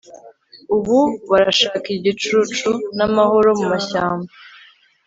Ubu barashaka igicucu namahoro mumashyamba